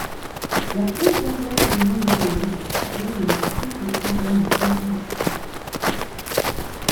La France l'emporte devant l'Irlande qui gagne la Triple Couronne en consolation.